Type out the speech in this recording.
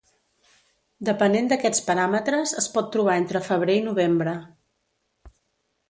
Depenent d'aquests paràmetres es pot trobar entre febrer i novembre.